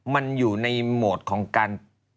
มันอยู่ในโหมดของการ